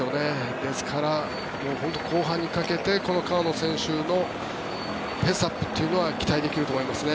ですから、本当に後半にかけて川野選手のペースアップというのは期待できると思いますね。